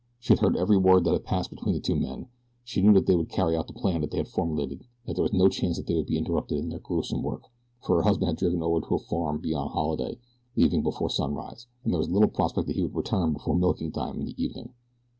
She had heard every word that had passed between the two men. She knew that they would carry out the plan they had formulated and that there was no chance that they would be interrupted in their gruesome work, for her husband had driven over to a farm beyond Holliday, leaving before sunrise, and there was little prospect that he would return before milking time in the evening.